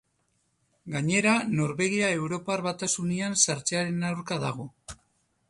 Gainera, Norvegia Europar Batasunean sartzearen aurka dago.